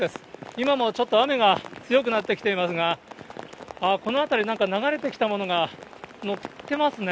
今もちょっと雨が強くなってきていますが、ああ、この辺り、流れてきたものが載ってますね。